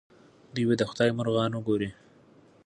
دوی به د خدای مرغان ګوري.